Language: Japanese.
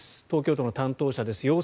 東京都の担当者です。